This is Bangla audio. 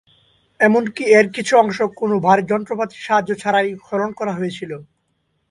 এমনকি এর কিছু অংশ কোনো ভারী যন্ত্রপাতির সাহায্য ছাড়াই খনন করা হয়েছিল।